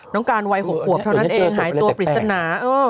น้องการวัย๖ขวบเท่านั้นเองหายตัวปริศนา